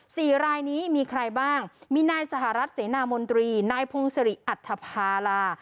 สี่รายนี้มีใครบ้างมีนายสหรัฐเสนามนตรีนายพงศิริอัธภารา